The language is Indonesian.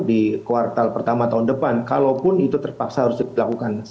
di kuartal pertama tahun depan kalaupun itu terpaksa harus dilakukan